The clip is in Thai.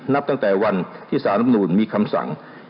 นับตั้งแต่วันที่สารรับนูลมีคำสั่ง